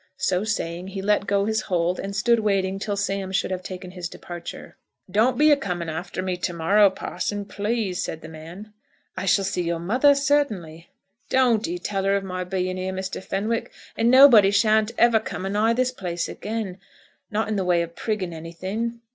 So saying, he let go his hold, and stood waiting till Sam should have taken his departure. "Don't be a coming after me, to morrow, parson, please," said the man. "I shall see your mother, certainly." "Dont'ee tell her of my being here, Mr. Fenwick, and nobody shan't ever come anigh this place again, not in the way of prigging anything."